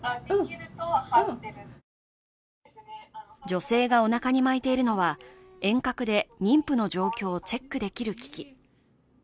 女性がおなかに巻いているのは、遠隔で妊婦の状況をチェックできる機器。